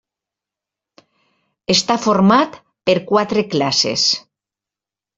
Està format per quatre classes.